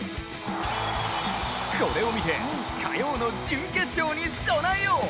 これを見て火曜の準決勝に備えよう。